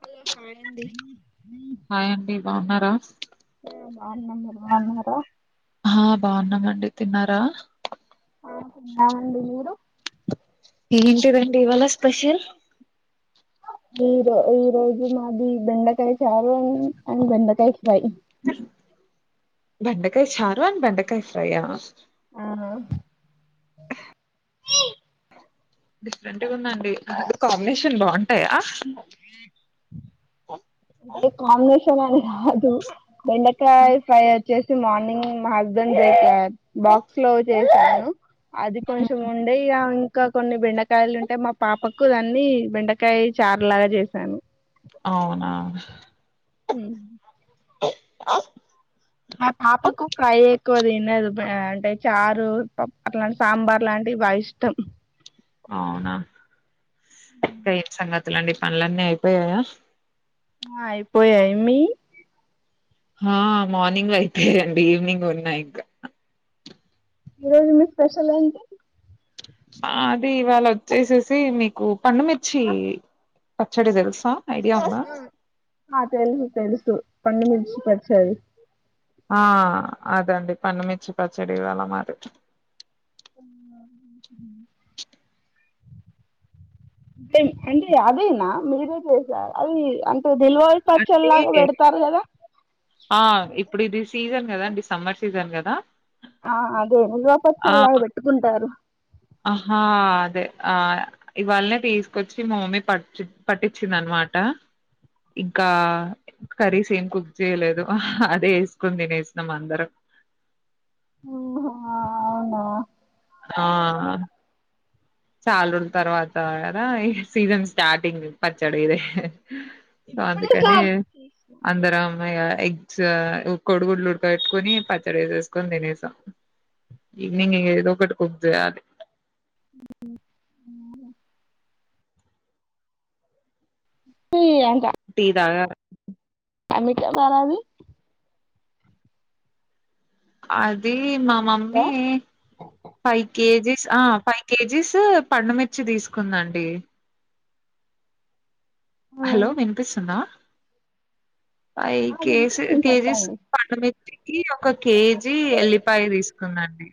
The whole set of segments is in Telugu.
హలో హాయండి హాయ్ అండి బాగున్నారా న్నమ్ మీర్బాన్నార హా బాగున్నామండి తిన్నారా ఆ తిన్నామండి మీరు ఏంటిదండి ఇవాళ స్పెషల్ ఈ ఈ రోజు మాది బెండకాయ్ చారు అండ్ బెండకాయ ఫ్రయ్ బెండకాయ్ చారు అండ్ బెండకాయ ఫ్రై ఆ ఆ ఆ డిఫరెంట్గుందండి కాంబినేషన్ బాంటయా ఈ ఇ కాంబినేషన్ అ అదు బెండకాయ ఫ్రై వచ్చే మార్ర్నింగ్ మా హస్బెండ్ దత బాక్స్ లో చేస అ అది కొంచెం ఉండే ఇంకా కొన్ని బెండకాయలు ఉంటే మా పాపకు దాన్ని బెండకాయ చారులాగా చేసాను అవునా అ ఆ పాపకు ఫ్రై ఎక్కువ తినదు అంటే చారు ప అట్లాంటి సాంబార్ లాంటివి బాగా ఇష్టం అవునా ఇంకా ఏం సంగతులండి పనులన్నీ అయిపోయాయా ఆ ఇయిపోయా ఎ మీ ఆ మార్నింగ్ లో అయితండి ఈవినింగ్ ఉన్నాయి ఇంకా ఈ రోజు మీ స్పెషల్ ఏంటి ఆ అదే ఇవాళ వ చేసేసి మీకు పండుమిర్చి పచ్చడి తెలుసా ఐడియా ఉందా ఆ తెలుసు తెలుసు పండు మిర్చి పచ్చడి ఆ అదండి పన్నమిీచ్చి పచ్చడి ఇవాళ మాది అవున హమ్ టే ఎంటి అదేనా మీరే చేసార అది అంత్ త తెల్వద్ పచ్చలాగా అంటే పెడతారు కదా ఆ! ఇప్పుడిది సీజన్ కదండి సమ్మర్ సీజన్ కదా ఆ అదె నిల్వపచ్చలాగా పెట్టుకుంటారు ఆహా అదె ఆ ఇవాల్నే తీసుకొచ్చి మ మమ్మీ పచ్చి పట్టించింది అనమాట ఇంకా కరీస్ ఏం కుక్ చేయలేదు అదే ఎసుకుని తినేస్నం అందరం. ఆహా అవునా ఆ చాల్ రోజు తర్వాత కదా ఈ సీజన్ స్టార్టింగ్ పచ్చడ ఇది సొ ఇప్పుడే అందుకనే స్టార్ట్ చేసినా. అందరం గా ఎగ్స్ కొడుగుడ్లు ఉడక పెట్టుకొని పచ్చడి ఎసేసుకొని తినసా ఈవినింగ్ ఇగ ఏదో ఒకటి కుక్ చేయాలి. [unintelligible] ఈయన్ టీ తాగ అమికే మా రాదు అది ఈ మా మమ్మీ ఫైవ్ కేజీ ఆ ఫైవ్ కేజీస్ పండుమిర్చి తీసుకుందండి ఆ హలో వినిపిస్సుందా పై ఆ, కేస్ వినిపిస్తుంది కేజీస్ చెప్పండి పండుమిర్చికి ఒక కేజీ ఎల్లిపాయ్ తీసుకుందండి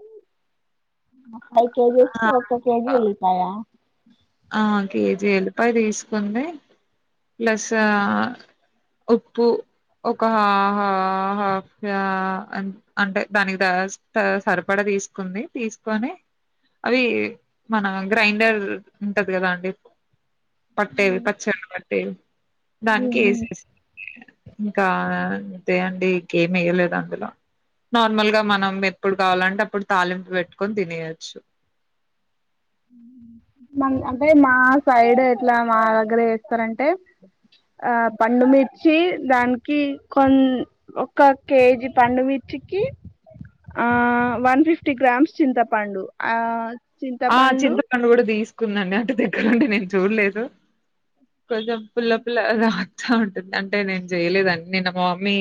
ఉమ్ ఆ ఫై కేజేస్కి ఆ ఒక్క కేజి ఎల్లిపాయా ఆ కేజీ ఎల్లిపాయ్ తీసుకుంది ప్లసా ఉప్పు ఒక హ హ హ ఆ హ ఫ్ అన్ అంటే దానికి త సరిపడా తీసుకుంది తీసుకొని అవి మన గ్రైండర్ టది కదా అండి ఉ పట్టేవి పచ్చళ్లు పట్టేవి ఉ దానికి ఉ ఎసేస్ ఇంకా తే అండి ఇంకేం ఎయలేదు అందులో నార్మల్ గా మనం ఎప్పుడు కావాలంటే అప్పుడు తాలింపు పెట్టుకొని తినేయచ్చు. అన్ అంటే మా సైడ్ ఎట్లా మా దగ్గర ఎస్తరంటే ఆ పండు మిర్చ్ చ్చి దానికి కొన్ ఒక కేజి పండుమిర్చికి ఆ వన్ ఫిఫ్టీ గ్రామ్స్ చింతపండు ఆ ఆ చింతపండు కూడ తీస్ కుందండి, అంటె దగ్గరుండి నేన్ చూలేదు కొంచం పుల్ల పుల్లగా తా ఉంటుంది అంటే నేన్ చేయలేదు అన్ని నిన్న మా మమ్మీ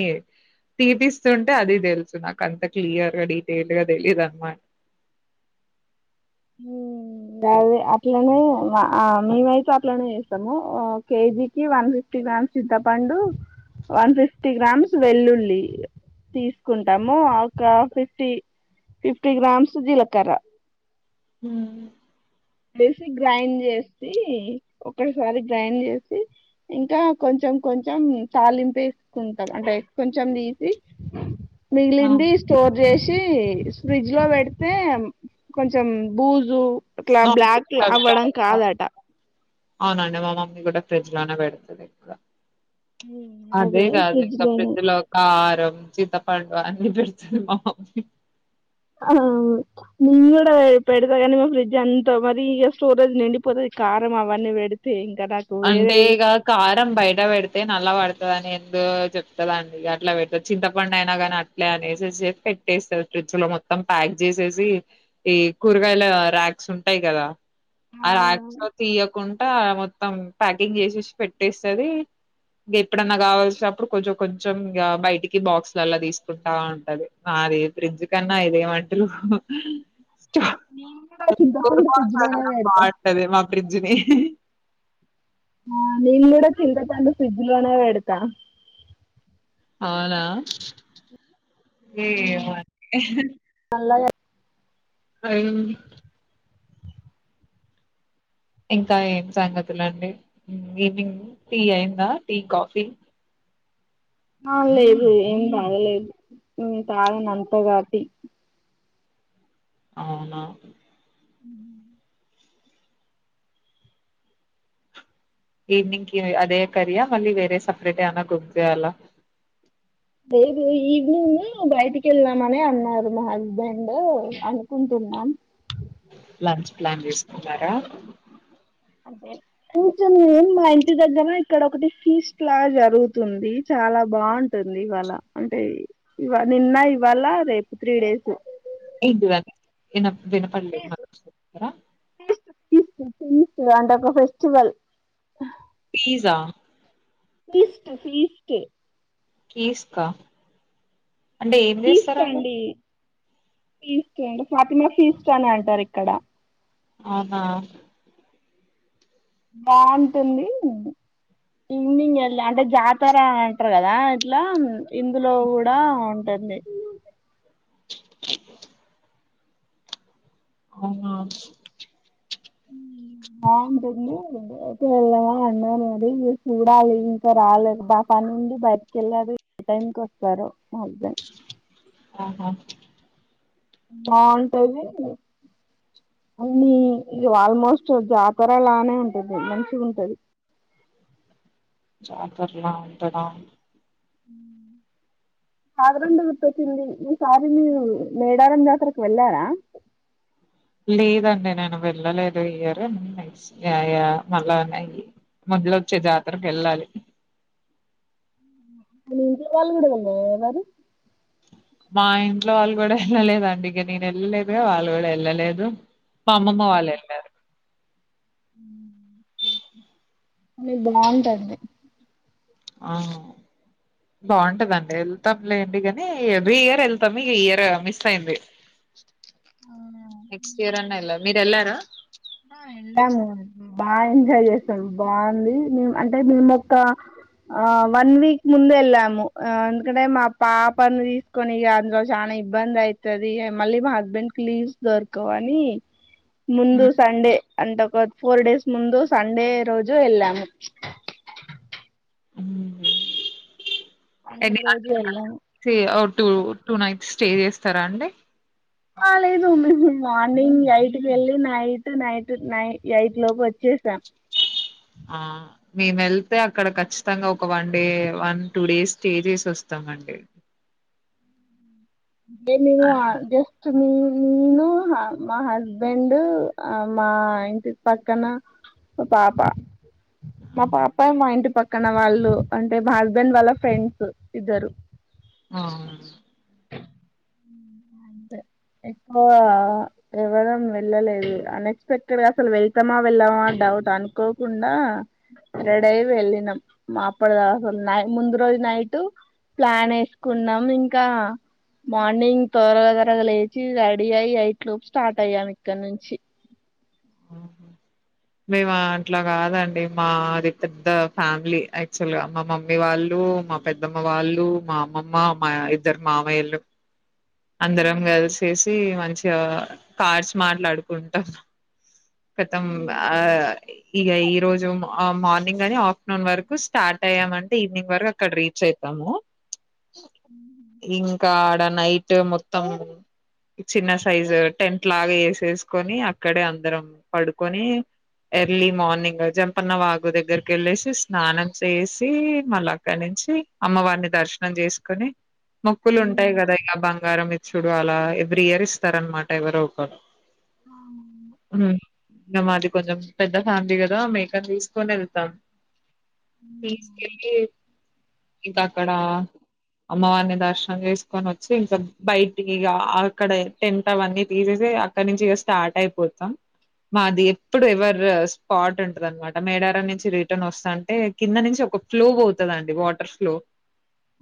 తీపిస్తుంటే అది తెలుసు నాకు అంత క్లియర్గా డీటెల్డ్గ తెలీయదన్నమాట హమ్ అదె అట్లనే మ మేమైతే అట్లనే చేస్తము, కేజీకి వన్ ఫిఫ్టీ గ్రామ్స్ చింతపండు వన్ ఫిఫ్టీ గ్రామ్స్ వెల్లుల్లి తీసుకుంటాము, ఒక ఫిఫ్టీ ఫిఫ్టీ గ్రామ్స్ జీలకర్ర ఉమ్ సి గ్రైండ్ చేసి ఒకసారి గ్రైండ్ చేసి ఇంకా కొంచెం కొంచెం తాలింపెస్కుంటం అంటే కొంచెం తీసి మిగిలింది స్టోర్ చేస్ వచ్చి ఫ్రిడ్జ్ లో పెడితే కొంచెం బూజు లా బ్లాక్ అవ్వడం కాదట అవునండి మా మమ్మీ కూడా ఫ్రిడ్జ్ లోనే పెడుతుంది ఇంకా అదే కాదు ఇంకా ఫ్రిడ్జ్ లో కారం చింతపండ్ అన్నీ పెడుతది మా మమ్మీ ఆహ నేను కూడా పెడతా కానీ మా ఫ్రిడ్జ్ అంతా మరి ఇక స్టోరేజ్ నిండిపోతది కారం అవన్నీ పెడితే ఇం అంటే ఇగా కారం బయట పెడితే నల్ల బడతడనేస్ ముందు చెప్తదా అండి అట్లా పెడ్ చింతపండు అయినా కానీ అట్లే అనేసి పెట్టేస్తది ఫ్రిడ్జ్ లో మొత్తం ప్యాక్ చేసేసి ఈ కూరగాయల ర్యాక్స్ ఉంటాయి కదా ఆ [inaudible] తీయకుంట మోత్ మొత్తం ప్యాకింగ్ చేసేసి పెట్టేస్తది ఇగా ఎప్పుడన్నా కావాల్సినప్పుడు కొంచెం కొంచెం ఇంక బయటికి బాక్స్ లల్లా తీసుకుంటా ఉంటది నాదే ఫ్రిడ్జ్ కన్నా ఇదేమంటలు నేను కూడా [inaudible] చింతపండు ఫ్రిడ్జ్ లోనే పెడతా బాగుంటది మా ఫ్రిడ్జ్ ని ఆ నేన్ కూడా చింతపండు ఫ్రిడ్జ్ లోనే పెడతా అవునా ఏమో అండి అవును ఇంకా ఏం సంగతులండి ఈవినింగ్ టీ అయిందా టీ కాఫీ ఆ లేదు ఏం తాగలేదు ఏం తాగన అంతగాటి అవునా హ ఈవినింగ్ కి అదే కర్రీ ఆ మళ్ళీ వేరే సపరేట్ ఏమైనా కుక్ చేయాలా లేేదు ఈవినింగ్ బయటికి వెళ్దామనే అన్నారు మా హస్బెండ్ అనుకుంటున్నాం లంచ్ ప్లాన్ చేసుకున్నారా అంతే కూర్చుం మా ఇంటి దగ్గర ఇక్కడ ఒకటి ఫీస్ట్ లా జరుగుతుంది చాలా బాగుంటుంది ఇవాళ అంటే ఇవా నిన్న ఇవాళ రేపు త్రీ డేస్ [unintelligible] ఎనఫ్ దినపల్లి అవచ్చు కదా ఫీస్ట్ ఫీస్ట్ అంటే ఒక ఫెస్టివల్ పీజ్ ఆ ఫీస్ట్ ఫీస్ట్ కేసుకా అంటే ఏం చేస్తారా అండి ఫీస్ట్ అండి ఫాతిమా ఫీస్ట్ అని అంటారు ఇక్కడ అవునా బాగుంటుంది ఈవినింగ్ వెళ్ళి అంటే జాతర అంటారు కదా అట్లా ఇందులో కూడా ఉంటుంది అ అవునా బాగుంటుంది అయితే వెళ్దామా అన్నారు అది మీరు చూడాలి ఇంకా రాలేదు బ పనిండి బయటికి వెళ్ళారు ఏ టైంకి వస్తారో ఆహా బాగుంటది అన్ని ఇ ఆల్మోస్ట్ జాతరలానే ఉంటది మంచిగ ఉంటది జాతర్లా ఉంటదా కాదరండ గుర్తొచ్చింది ఈసారి మీరు మేడారం జాతరకు వెళ్ళారా లేదండి నేను వెళ్ళలేదు ఈ ఇయరు నెక్స్ట్ యా యా మళ్ళా మద్యలో వచ్చే జాతరకు వెళ్ళాలి మీ ఇంట్లో వాళ్ళు కూడా వెళ్నారా మరి మా ఇంట్లో వాళ్ళు కూడా వెళ్ళలేదండి ఇక నేను వెళ్ళలేదు వాళ్ళు కూడా వెళ్ళలేదు మా అమ్మ వాళ్ళు వెళ్ళారు లేదు బాగుంటుంది ఆ బాగుంటదండి వెళ్తాం లే ఇంటికి అని ఎవ్రీ ఇయర్ వెళ్తాం ఈ ఇయర్ మిస్ అయింది అవునా శరన్న వెళ్ళా మీరెళ్ళారా ఆ వెళ్ళాము బాగా ఎంజాయ్ చేసాము బాగుంది మే అంటే మేము ఒక ఆ వన్ వీక్ ముందే వెళ్ళాము ఎందుకంటే మా పాపను తీసుకొని అందులో చానా ఇబ్బంది అవుతుది మళ్ళీ మా హస్బెండ్ కి లీవ్స్ దొరకవని ముందు సండే అంటే ఒక ఫోర్ డేస్ ముందు సండే రోజు వెళ్ళాము ఉమ్ సండే ఎన్ని రోజు వెళ్ళాము అవర్స్ ఓ టూ టూ నైట్స్ స్టే చేస్తారా అండి ఆ లేదు ఉ మార్నింగ్ ఎయిట్కి వెళ్ళి నైట్ నైట్ నై ఎయిట్ లోపు వచ్చేసాం ఆ మేము వెళ్తే అక్కడ ఖచ్చితంగా ఒక one day one two days stay చేసి వస్తాం అండి అంటే మేము ఆడ జస్ట్ మీ నేను మా హస్బెండ్ మా ఇంటి పక్కన పాప మా పాప మా ఇంటి పక్క పక్కన వాళ్ళు అంటే మా హస్బెండ్ వాళ్ళ ఫ్రెండ్స్ ఇద్దరు అవును అంతే ఎక్కువ ఎవ్వరం వెళ్ళలేదు అన్ఎక్స్పెక్టెడ్గా అసలు వెళ్తామా వెళ్ళమా డౌట్ అనుకోకుండా రెడయి వెళ్ళినాం మాప్పుడుదాకున్నాం ముందు రోజు నైట్ ప్లాన్ వేసుకున్నాం ఇంకా మార్నింగ్ త్వరగా త్వరగ లేచి రెడీ అయి ఎయిట్ లోపు స్టార్ట్ అయ్యాము ఇక్కడ నుంచి మేము అట్లా కాదండి మాది పెద్ద ఫ్యామిలీ యాక్చువల్గా మా మమ్మీ వాళ్ళు మా పెద్దమ్మ వాళ్ళు మా అమ్మమ్మ మా ఇద్దరు మామయ్యలు అందరం కలిసేసి మం చిగా కార్స్ మాట్లాడుకుంటాం కతం ఆ ఇక ఈ రోజు మా ఆ మార్నింగ్ అని ఆఫ్టర్నూన్ వరకు స్టార్ట్ అయ్యామంటే ఈవినింగ్ వరకు అక్కడ రీచ్ అయితాము ఇంకా గానైట్ మొత్తం చిన్న సైజు టెంట్ లాగా ఏసేసుకొని అక్ క్కడే అందరం పడుకొని ఎర్లీ మార్నింగ్ జంపన్న వాగు దగ్గరికి వెళ్ళేసి స్నానం చేసి మళ్ళా అక్కడి నుంచి అమ్మవారిని దర్శనం చేసుకొని మొక్కులు ఉంటాయి కదా ఇలా బంగారం ఇచ్చుడు అలా ఏ బ్రియర్ ఇస్తారన్మాట ఎవరొకరు ఆ ఊహు ఇంక మాది కొంచెం పెద్ద ఫ్యామిలీ కదా మేకని తీసుకొని వెళ్తాం తీస్కెల్లి ఇంకా అక్కడ అమ్మవారిని దర్శనం చేసుకొని వచ్చి ఇంకా బయటికిగ అక్కడ టెంట్ అవన్నీ తీసేసి అక్కడ నుంచి ఇక స్టార్ట్ అయి పోతాం మాది ఎప్పుడు ఎవర్ స్పాట్ ఉంటది అనమాట మేడారం నుంచి రిటర్న్ వస్తాన్టే కింద నుంచి ఒక ఫ్లో పోతదండి వాటర్ ఫ్లో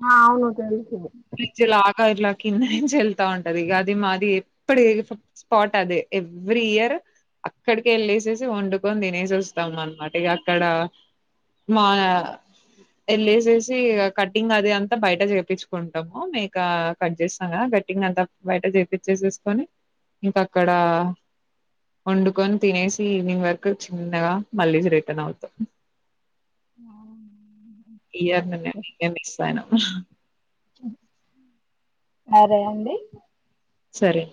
ఆ అవును తెల్సు బ్రిడ్జ్ లాగా ఇట్లా కింద నుంచి వెళ్తా ఉంటది ఇక అది మాది ఎప్పుడు ఎవర్ స్పాట్ అది ఎవ్రీ ఇయర్ అక్కడికెవెళ్ళేసేసి వండుకొని తినేసి వస్తాము అనమాట ఇక అక్కడ మా ఎళ్ళేసేసి ఇగా కటింగ్ అది అంతా బయట చేపించుకుంటాము మేక కట్ చేస్తాంగా కట్టింగ్ అంతా బయట చేపిచ్చేసేసుకొని ఇంక అక్కడ వండుకొని తినేసి ఈవినింగ్ వరకు చిన్నగా మళ్ళీ రిటర్న్ అవుతాం అవును ఈ ఇయర్ నుండే మేం మిక్స్ అయినం అరే అండి సరే